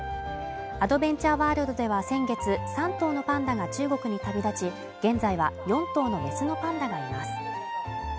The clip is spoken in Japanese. アドベンチャーワールドでは先月３頭のパンダが中国に旅立ち、現在は４頭のメスのパンダがいます。